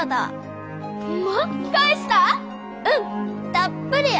たっぷりや！